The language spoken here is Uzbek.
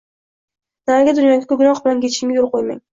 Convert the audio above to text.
Narigi dunyoga gunoh bilan ketishimga yoʻl qoʻymang!